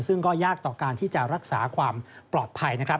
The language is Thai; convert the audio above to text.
ซึ่งก็ยากต่อการที่จะรักษาความปลอดภัยนะครับ